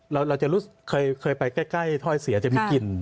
เราจะรู้สึกเคยไปใกล้ถ้อยเสียจะมีกลิ่น